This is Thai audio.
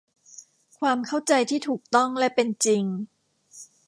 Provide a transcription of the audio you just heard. ความเข้าใจที่ถูกต้องและเป็นจริง